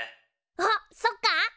おっそっか？